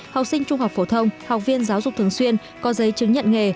học sinh trung học phổ thông học viên giáo dục thường xuyên có giấy chứng nhận nghề